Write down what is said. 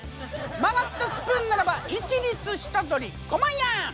曲がったスプーンならば一律下取り５万円！